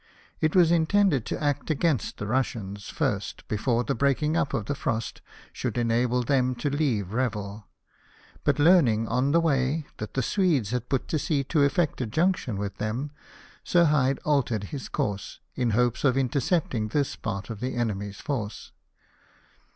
It was intended to act against the Russians first, before the breaking up of the frost should enable them to leave Revel ; but learning, on the way, that the Swedes had put to sea to effect a junction with them. Sir Hyde altered his course, in hopes of inter cepting this part of the enemy's force.